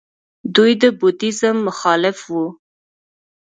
دوی د بودیزم مخالف وو